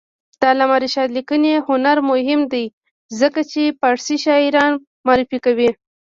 د علامه رشاد لیکنی هنر مهم دی ځکه چې فارسي شاعران معرفي کوي.